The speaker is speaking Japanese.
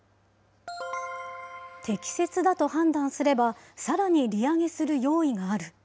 適切だと判断すれば、さらに利上げする用意がある。